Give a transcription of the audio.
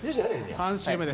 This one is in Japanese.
３周目です。